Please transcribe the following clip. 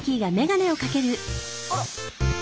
あら！